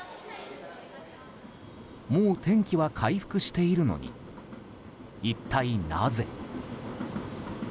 もう天気は回復しているのに一体なぜ？